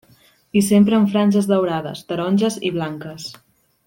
I sempre amb franges daurades, taronges i blanques.